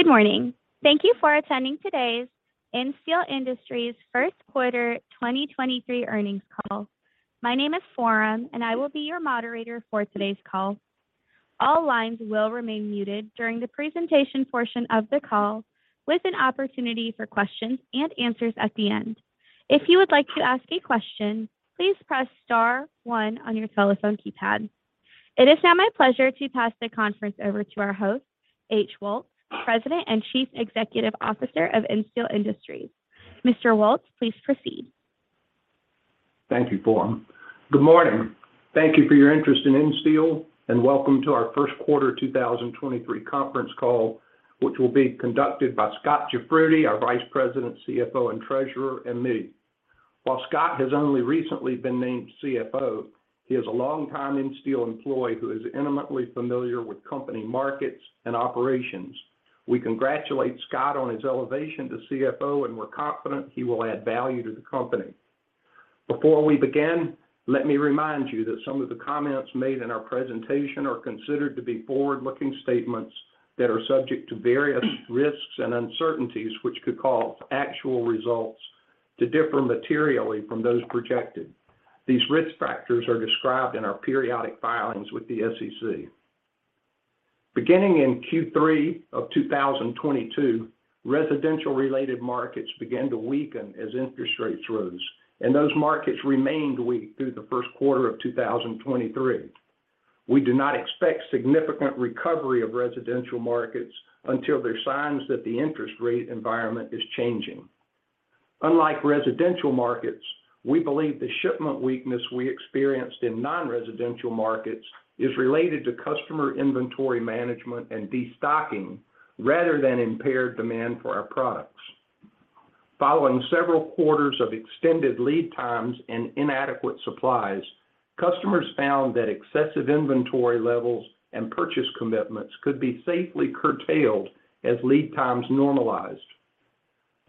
Good morning. Thank you for attending today's Insteel Industries' first quarter 2023 earnings call. My name is Forum, and I will be your moderator for today's call. All lines will remain muted during the presentation portion of the call, with an opportunity for questions and answers at the end. If you would like to ask a question, please press star 1 on your telephone keypad. It is now my pleasure to pass the conference over to our host, H.O. Woltz, President and Chief Executive Officer of Insteel Industries. Mr. Woltz, please proceed. Thank you, Forum. Good morning. Thank you for your interest in Insteel, and welcome to our first quarter 2023 conference call, which will be conducted by Scott Ciafardini, our Vice President, CFO, and Treasurer, and me. While Scott has only recently been named CFO, he is a longtime Insteel employee who is intimately familiar with company markets and operations. We congratulate Scott on his elevation to CFO, and we're confident he will add value to the company. Before we begin, let me remind you that some of the comments made in our presentation are considered to be forward-looking statements that are subject to various risks and uncertainties which could cause actual results to differ materially from those projected. These risk factors are described in our periodic filings with the SEC. Beginning in Q3 of 2022, residential-related markets began to weaken as interest rates rose, and those markets remained weak through the first quarter of 2023. We do not expect significant recovery of residential markets until there are signs that the interest rate environment is changing. Unlike residential markets, we believe the shipment weakness we experienced in non-residential markets is related to customer inventory management and destocking rather than impaired demand for our products. Following several quarters of extended lead times and inadequate supplies, customers found that excessive inventory levels and purchase commitments could be safely curtailed as lead times normalized.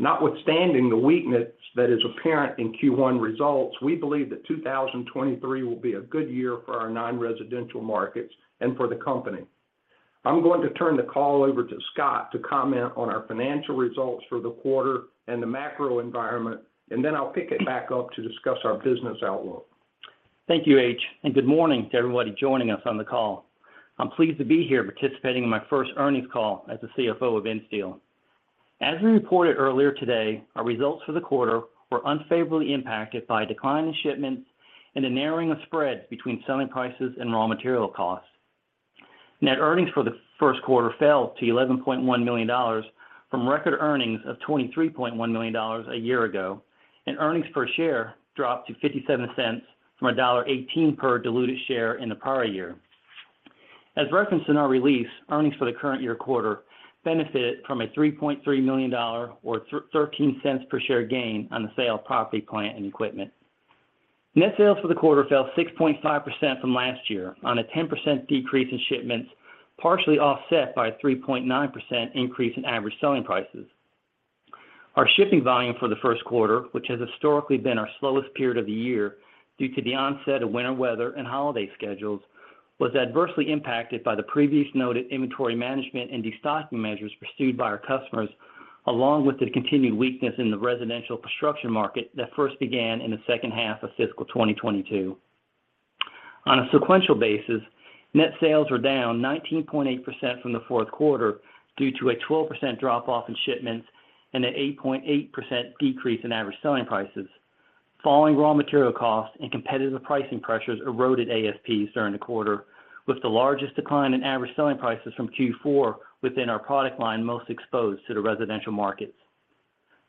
Notwithstanding the weakness that is apparent in Q1 results, we believe that 2023 will be a good year for our non-residential markets and for the company. I'm going to turn the call over to Scott to comment on our financial results for the quarter and the macro environment, and then I'll pick it back up to discuss our business outlook. Thank you, H.O. Woltz, and good morning to everybody joining us on the call. I'm pleased to be here participating in my first earnings call as the CFO of Insteel. As we reported earlier today, our results for the quarter were unfavorably impacted by a decline in shipments and a narrowing of spread between selling prices and raw material costs. Net earnings for the first quarter fell to $11.1 million from record earnings of $23.1 million a year ago, and earnings per share dropped to $0.57 from $1.18 per diluted share in the prior year. As referenced in our release, earnings for the current year quarter benefited from a $3.3 million or $0.13 per share gain on the sale of property, plant, and equipment. Net sales for the quarter fell 6.5% from last year on a 10% decrease in shipments, partially offset by a 3.9% increase in average selling prices. Our shipping volume for the first quarter, which has historically been our slowest period of the year due to the onset of winter weather and holiday schedules, was adversely impacted by the previously noted inventory management and destocking measures pursued by our customers, along with the continued weakness in the residential construction market that first began in the second half of fiscal 2022. On a sequential basis, net sales were down 19.8% from the fourth quarter due to a 12% drop-off in shipments and an 8.8% decrease in average selling prices. Falling raw material costs and competitive pricing pressures eroded ASPs during the quarter, with the largest decline in average selling prices from Q4 within our product line most exposed to the residential markets.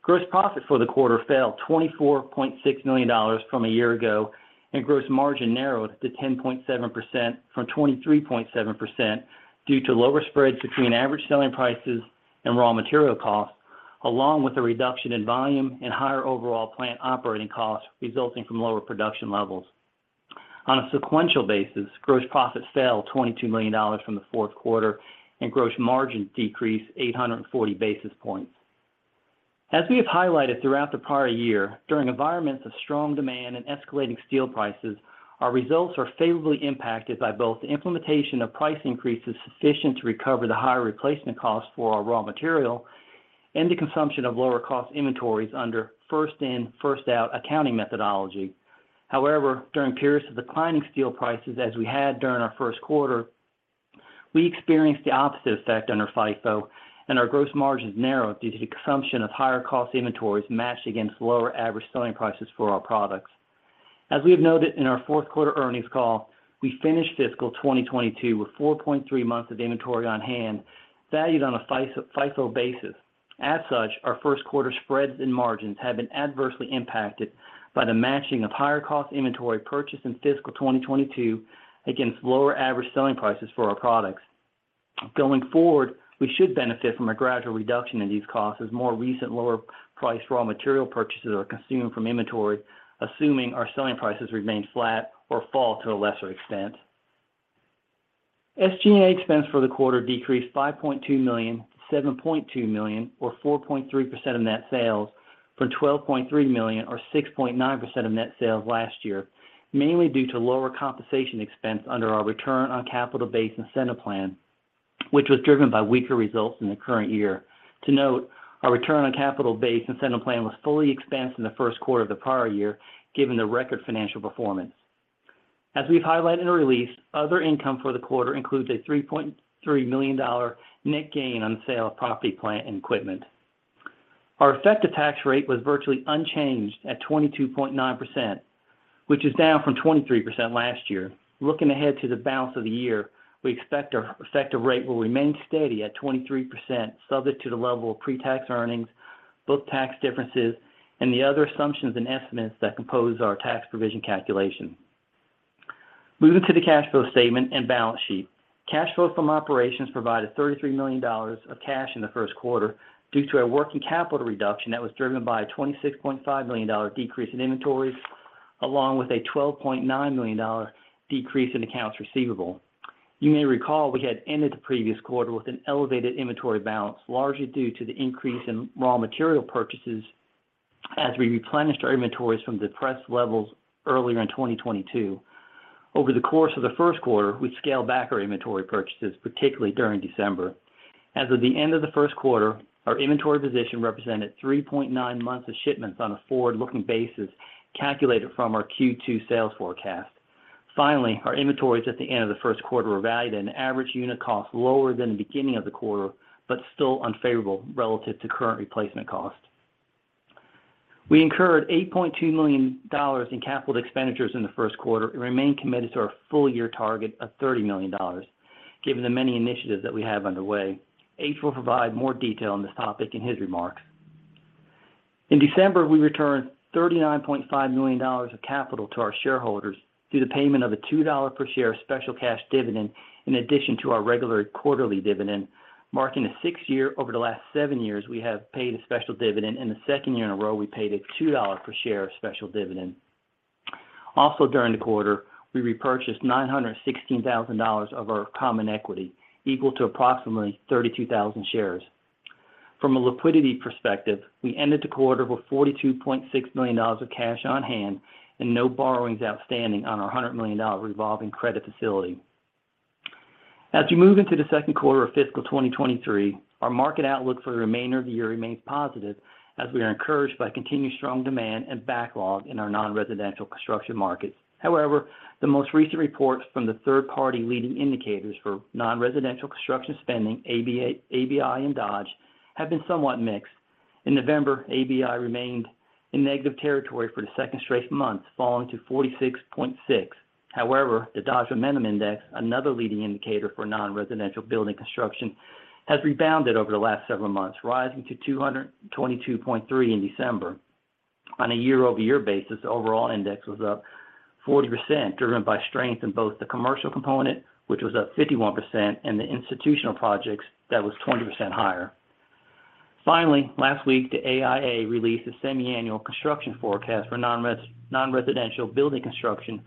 Gross profits for the quarter fell $24.6 million from a year ago, and gross margin narrowed to 10.7% from 23.7% due to lower spreads between Average Selling Prices and raw material costs, along with a reduction in volume and higher overall plant operating costs resulting from lower production levels. On a sequential basis, gross profits fell $22 million from the fourth quarter, and gross margin decreased 840 basis points. As we have highlighted throughout the prior year, during environments of strong demand and escalating steel prices, our results are favorably impacted by both the implementation of price increases sufficient to recover the higher replacement costs for our raw material and the consumption of lower-cost inventories under first-in, first-out accounting methodology. However, during periods of declining steel prices as we had during our first quarter, we experienced the opposite effect under FIFO, and our gross margins narrowed due to the consumption of higher-cost inventories matched against lower average selling prices for our products. As we have noted in our fourth quarter earnings call, we finished fiscal 2022 with 4.3 months of inventory on hand valued on a FIFO basis. As such, our first quarter spreads and margins have been adversely impacted by the matching of higher-cost inventory purchased in fiscal 2022 against lower average selling prices for our products. Going forward, we should benefit from a gradual reduction in these costs as more recent lower-priced raw material purchases are consumed from inventory, assuming our selling prices remain flat or fall to a lesser extent. SG&A spends for the quarter decreased $5.2 million to $7.2 million, or 4.3% of net sales, from $12.3 million or 6.9% of net sales last year, mainly due to lower compensation expense under our return on capital-based incentive plan, which was driven by weaker results in the current year. To note, our return on capital-based incentive plan was fully expensed in the first quarter of the prior year given the record financial performance. As we have highlighted in our release, other income for the quarter includes a $3.3 million net gain on the sale of property, plant, and equipment. Our effective tax rate was virtually unchanged at 22.9%, which is down from 23% last year. Looking ahead to the balance of the year, we expect our effective rate will remain steady at 23% subject to the level of pre-tax earnings, book tax differences, and the other assumptions and estimates that compose our tax provision calculation. Moving to the cash flow statement and balance sheet. Cash flow from operations provided $33 million of cash in the first quarter due to a working capital reduction that was driven by a $26.5 million decrease in inventories, along with a $12.9 million decrease in accounts receivable. You may recall we had ended the previous quarter with an elevated inventory balance, largely due to the increase in raw material purchases as we replenished our inventories from depressed levels earlier in 2022. Over the course of the first quarter, we scaled back our inventory purchases, particularly during December. As of the end of the first quarter, our inventory position represented 3.9 months of shipments on a forward-looking basis calculated from our Q2 sales forecast. Finally, our inventories at the end of the first quarter were valued at an average unit cost lower than the beginning of the quarter, but still unfavorable relative to current replacement costs. We incurred $8.2 million in capital expenditures in the first quarter and remain committed to our full-year target of $30 million, given the many initiatives that we have underway. H.O. will provide more detail on this topic in his remarks. In December, we returned $39.5 million of capital to our shareholders through the payment of a $2 per share special cash dividend in addition to our regular quarterly dividend, marking a 6-year over the last 7 years we have paid a special dividend and the second year in a row we paid a $2 per share special dividend. During the quarter, we repurchased $916,000 of our common equity, equal to approximately 32,000 shares. From a liquidity perspective, we ended the quarter with $42.6 million of cash on hand and no borrowings outstanding on our $100 million revolving credit facility. As we move into the second quarter of fiscal 2023, our market outlook for the remainder of the year remains positive as we are encouraged by continued strong demand and backlog in our non-residential construction market. The most recent reports from the third-party leading indicators for non-residential construction spending, ABI and Dodge, have been somewhat mixed. In November, ABI remained in negative territory for the second straight months, falling to 46.6. The Dodge Momentum Index, another leading indicator for non-residential building construction, has rebounded over the last several months, rising to 222.3 in December. On a year-over-year basis, the overall index was up 40%, driven by strength in both the commercial component, which was up 51%, and the institutional projects, that was 20% higher. Last week, the AIA released a semi-annual construction forecast for non-residential building construction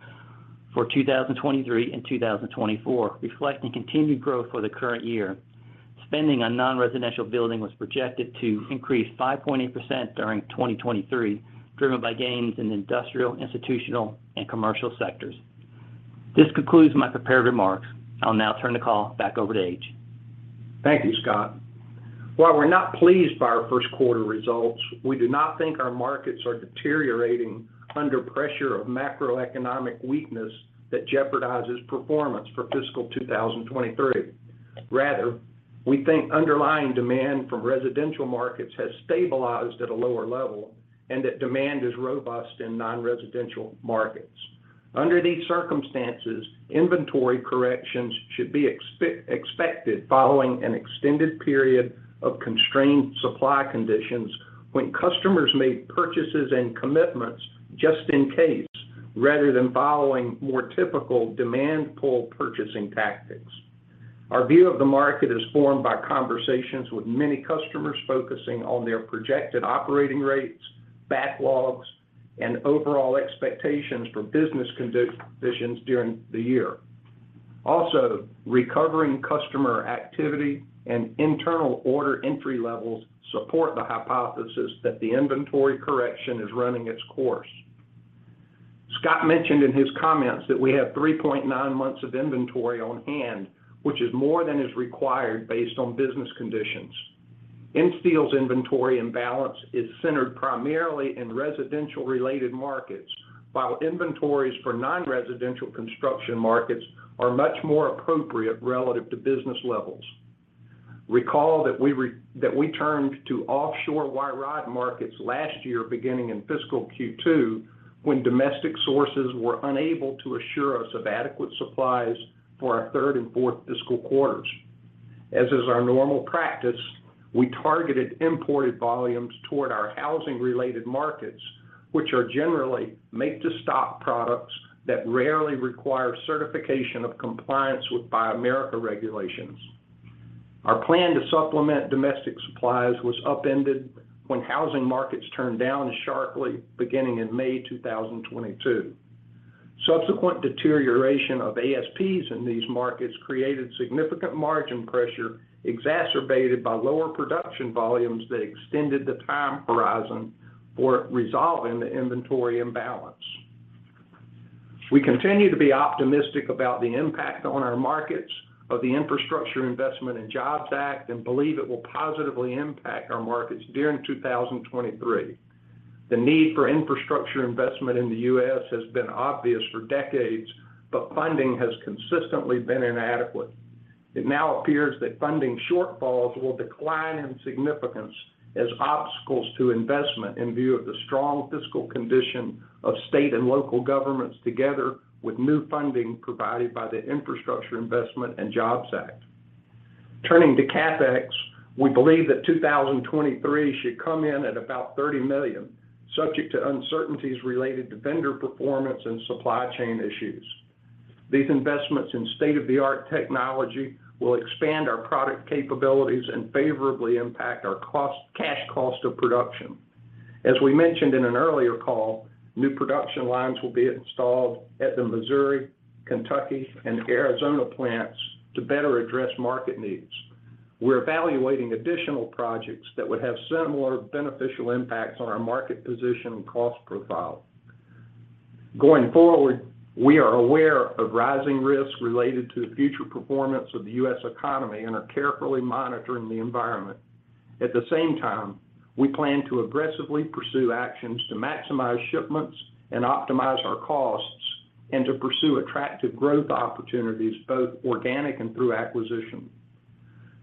for 2023 and 2024, reflecting continued growth for the current year. Spending on non-residential building was projected to increase 5.8% during 2023, driven by gains in the industrial, institutional, and commercial sectors. This concludes my prepared remarks. I'll now turn the call back over to H. Thank you, Scott. While we're not pleased by our first quarter results, we do not think our markets are deteriorating under pressure of macroeconomic weakness that jeopardizes performance for fiscal 2023. Rather, we think underlying demand from residential markets has stabilized at a lower level and that demand is robust in non-residential markets. Under these circumstances, inventory corrections should be expected following an extended period of constrained supply conditions when customers made purchases and commitments just in case, rather than following more typical demand-pull purchasing tactics. Our view of the market is formed by conversations with many customers focusing on their projected operating rates, backlogs, and overall expectations for business conditions during the year. Recovering customer activity and internal order entry levels support the hypothesis that the inventory correction is running its course. Scott mentioned in his comments that we have 3.9 months of inventory on hand, which is more than is required based on business conditions. Insteel's inventory and balance is centered primarily in residential-related markets, while inventories for non-residential construction markets are much more appropriate relative to business levels. Recall that we turned to offshore wire rod markets last year beginning in fiscal Q2 when domestic sources were unable to assure us of adequate supplies for our third and fourth fiscal quarters. As is our normal practice, we targeted imported volumes toward our housing-related markets, which are generally make-to-stock products that rarely require certification of compliance with Buy America regulations. Our plan to supplement domestic supplies was upended when housing markets turned down sharply beginning in May 2022. Subsequent deterioration of ASPs in these markets created significant margin pressure exacerbated by lower production volumes that extended the time horizon for resolving the inventory imbalance. We continue to be optimistic about the impact on our markets of the Infrastructure Investment and Jobs Act and believe it will positively impact our markets during 2023. The need for infrastructure investment in the U.S. has been obvious for decades, but funding has consistently been inadequate. It now appears that funding shortfalls will decline in significance as obstacles to investment in view of the strong fiscal condition of state and local governments together with new funding provided by the Infrastructure Investment and Jobs Act. Turning to CapEx, we believe that 2023 should come in at about $30 million, subject to uncertainties related to vendor performance and supply chain issues. These investments in state-of-the-art technology will expand our product capabilities and favorably impact our cash cost of production. As we mentioned in an earlier call, new production lines will be installed at the Missouri, Kentucky, and Arizona plants to better address market needs. We're evaluating additional projects that would have similar beneficial impacts on our market position and cost profile. Going forward, we are aware of rising risks related to the future performance of the U.S. economy and are carefully monitoring the environment. At the same time, we plan to aggressively pursue actions to maximize shipments and optimize our costs, and to pursue attractive growth opportunities both organic and through acquisition.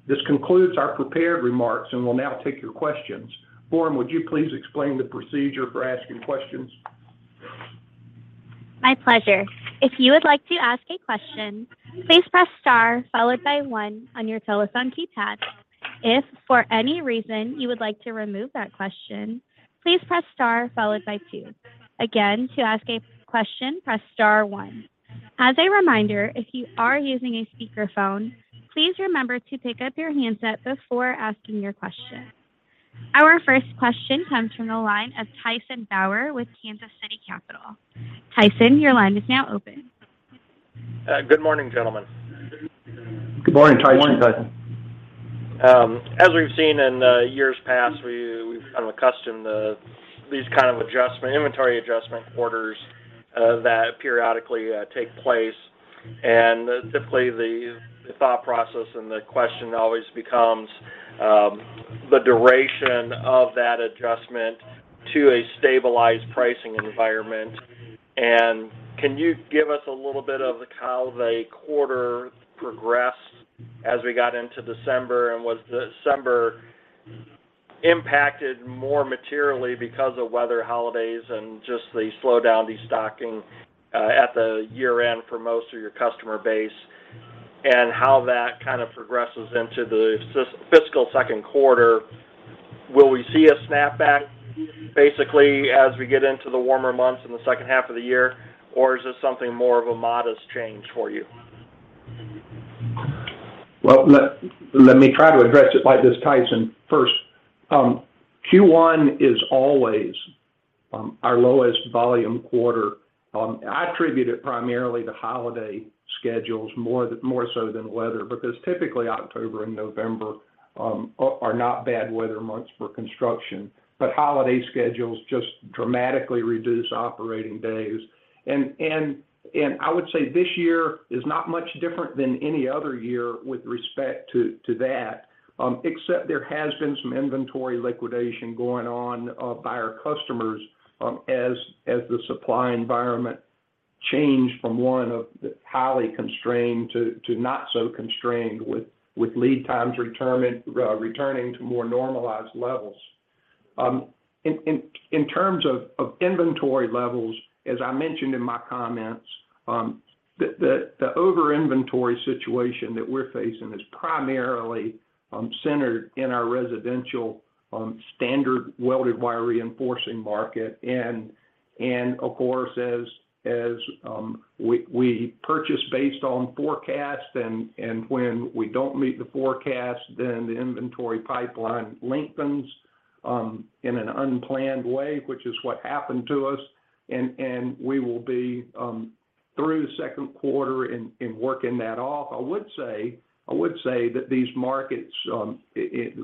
This concludes our prepared remarks and will now take your questions. Forum, would you please explain the procedure for asking questions? My pleasure. If you would like to ask a question, please press star followed by 1 on your telephone keypad. If, for any reason, you would like to remove that question, please press star followed by 2. Again, to ask a question, press star 1. As a reminder, if you are using a speakerphone, please remember to pick up your handset before asking your question. Our first question comes from the line of Tyson Bauer with Kansas City Capital. Tyson, your line is now open. Good morning, gentlemen. Good morning, Tyson. Morning. As we've seen in years past, we've been accustomed to these kinds of adjustment, inventory adjustment orders that periodically take place. Typically, the thought process and the question always becomes the duration of that adjustment to a stabilized pricing environment. Can you give us a little bit of how the quarter progressed as we got into December, and was December impacted more materially because of weather holidays and just the slowdown destocking at the year-end for most of your customer base, and how that kind of progresses into the fiscal second quarter? Will we see a snapback, basically, as we get into the warmer months in the second half of the year, or is this something more of a modest change for you? Well, let me try to address it like this Tyson first. Q1 is always our lowest volume quarter. I attribute it primarily to holiday schedules more so than weather, because typically October and November are not bad weather months for construction. Holiday schedules just dramatically reduce operating days. I would say this year is not much different than any other year with respect to that, except there has been some inventory liquidation going on by our customers as the supply environment changed from 1 of highly constrained to not so constrained, with lead times returning to more normalized levels. In terms of inventory levels, as I mentioned in my comments, the over-inventory situation that we're facing is primarily centered in our residential standard welded wire reinforcement market. Of course, as we purchase based on forecast and when we don't meet the forecast, the inventory pipeline lengthens in an unplanned way, which is what happened to us. We will be through the second quarter in working that off. I would say that these markets,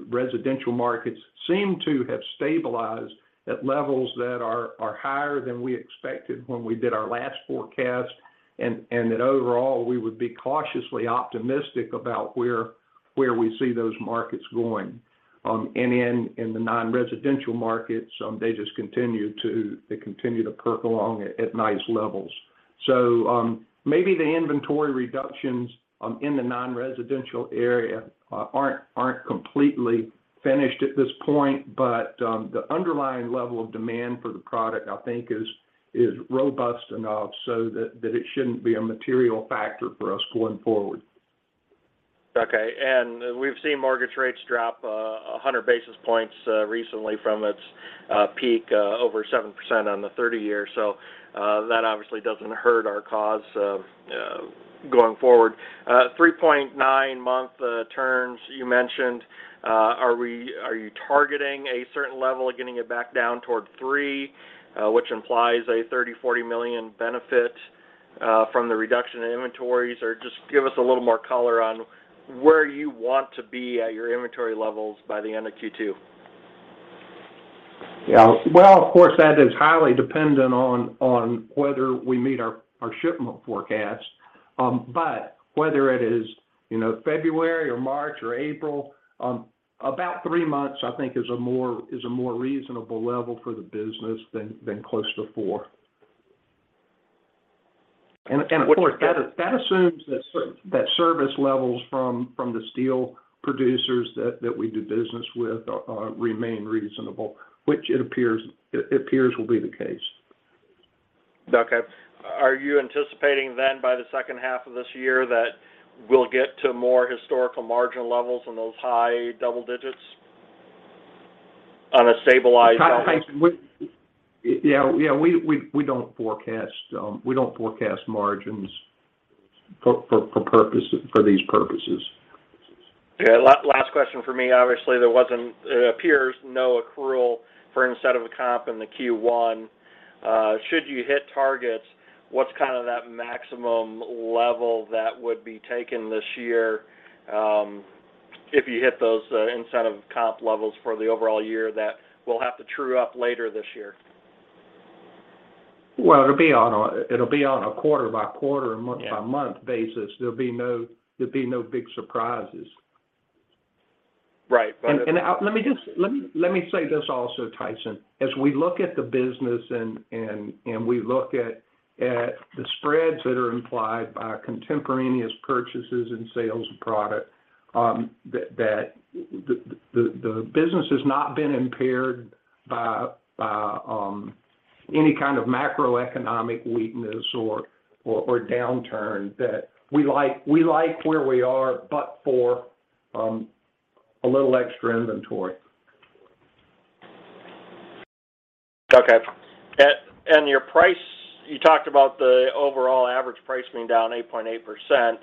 residential markets, seem to have stabilized at levels that are higher than we expected when we did our last forecast. That overall, we would be cautiously optimistic about where we see those markets going. In the non-residential markets, they just continue to perk along at nice levels. Maybe the inventory reductions in the non-residential area aren't completely finished at this point, but the underlying level of demand for the product, I think, is robust enough so that it shouldn't be a material factor for us going forward. Okay. We've seen mortgage rates drop 100 basis points recently from its peak over 7% on the 30-year. That obviously doesn't hurt our cause going forward. 3.9-month turns, you mentioned. Are you targeting a certain level of getting it back down toward 3, which implies a $30 million-$40 million benefit from the reduction in inventories? Just give us a little more color on where you want to be at your inventory levels by the end of Q2. Yeah. Well, of course, that is highly dependent on whether we meet our shipment forecasts. Whether it is February or March or April, about 3 months, I think, is a more reasonable level for the business than close to four. Of course, that assumes that service levels from the steel producers that we do business with remain reasonable, which it appears will be the case. Are you anticipating then by the second half of this year that we'll get to more historical margin levels and those high double digits? On a stabilized level? Yeah, we don't forecast margins for these purposes. Yeah. Last question for me, obviously. It appears no accrual for incentive comp in the Q1. Should you hit targets, what's kind of that maximum level that would be taken this year if you hit those incentive comp levels for the overall year that will have to true up later this year? Well, it'll be on a quarter-by-quarter, month-by-month basis. There'll be no big surprises. Right. Let me say this also, Tyson. As we look at the business and we look at the spreads that are implied by contemporaneous purchases and sales of product, the business has not been impaired by any kind of macroeconomic weakness or downturn. We like where we are, but for a little extra inventory. Okay. Your price, you talked about the overall average price being down 8.8%.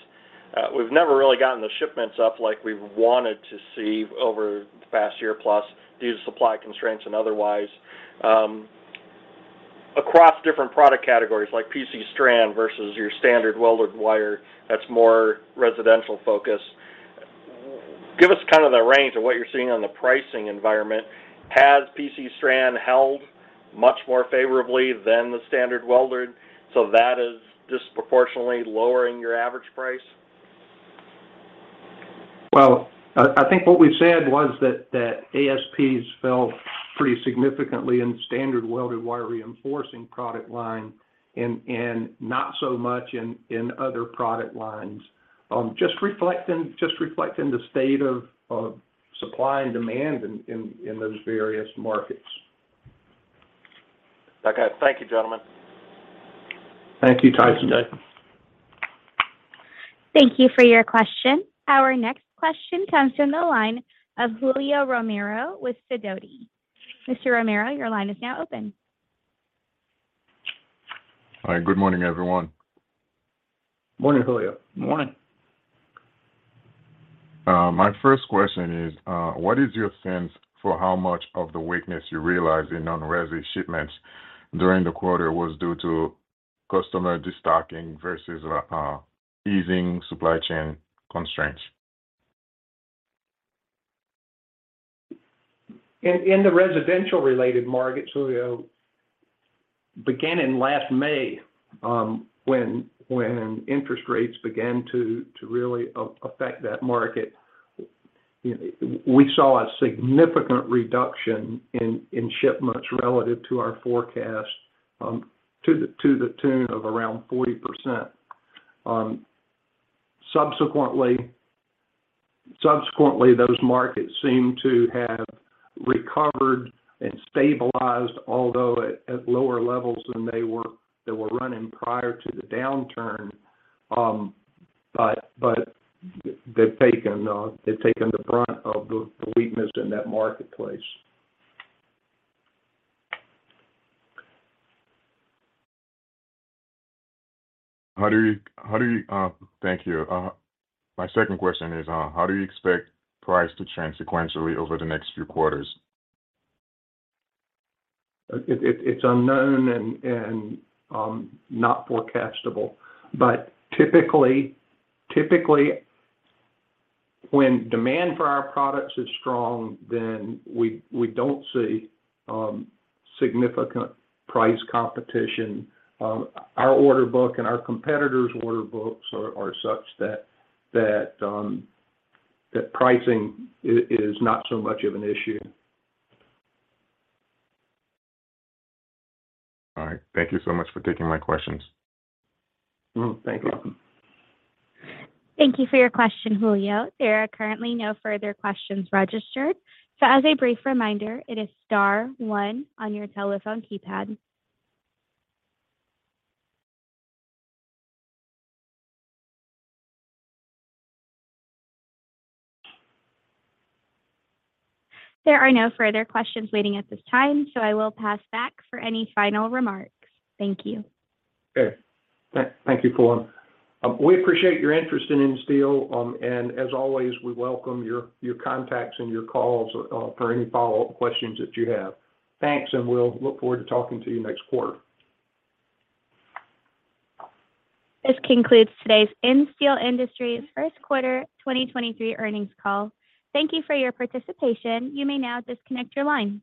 We've never really gotten the shipments up like we wanted to see over the past year plus due to supply constraints and otherwise. Across different product categories like PC strand versus your standard welded wire that's more residential focus, give us kind of the range of what you're seeing on the pricing environment. Has PC strand held much more favorably than the standard welded? That is disproportionately lowering your average price? Well, I think what we said was that ASPs fell pretty significantly in Standard Welded Wire Reinforcing product line and not so much in other product lines, just reflecting the state of supply and demand in those various markets. Okay. Thank you, gentlemen. Thank you, Tyson. Thank you for your question. Our next question comes from the line of Julio Romero with Sidoti. Mr. Romero, your line is now open. All right. Good morning, everyone. Morning, Julio. Morning. My first question is, what is your sense for how much of the weakness you realize in non-resi shipments during the quarter was due to customer destocking versus easing supply chain constraints? In the residential-related markets, Julio, beginning last May, when interest rates began to really affect that market, we saw a significant reduction in shipments relative to our forecast to the tune of around 40%. Subsequently, those markets seemed to have recovered and stabilized, although at lower levels than they were running prior to the downturn, but they've taken the brunt of the weakness in that marketplace. Thank you. My second question is, how do you expect price to change sequentially over the next few quarters? It's unknown and not forecastable. Typically, when demand for our products is strong, we don't see significant price competition. Our order book and our competitors' order books are such that pricing is not so much of an issue. All right. Thank you so much for taking my questions. Thank you. Thank you for your question, Julio. There are currently no further questions registered. As a brief reminder, it is star 1 on your telephone keypad. There are no further questions waiting at this time, I will pass back for any final remarks. Thank you. Okay. Thank you, Forum. We appreciate your interest in Insteel. As always, we welcome your contacts and your calls for any follow-up questions that you have. Thanks, we'll look forward to talking to you next quarter. This concludes today's Insteel Industries First Quarter 2023 earnings call. Thank you for your participation. You may now disconnect your line.